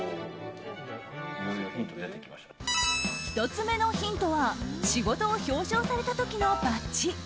１つ目のヒントは仕事を表彰された時のバッジ。